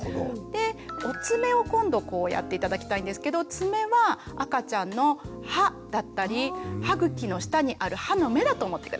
でお爪を今度こうやって頂きたいんですけど爪は赤ちゃんの歯だったり歯茎の下にある歯の芽だと思って下さい。